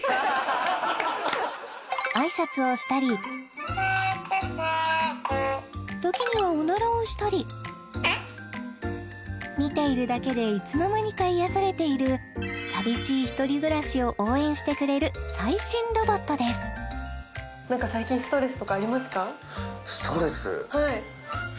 挨拶をしたり時にはおならをしたり見ているだけでいつの間にか癒やされている寂しい１人暮らしを応援してくれる最新ロボットですストレス？